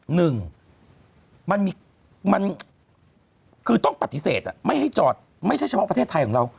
หนึ่งมันมีมันคือต้องปฏิเสธไม่ให้จอดไม่ใช่เฉพาะประเทศไทยของเรา